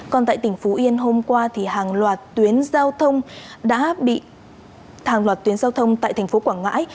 còn tại tỉnh phú yên hôm qua hàng loạt tuyến giao thông tại thành phố quảng ngãi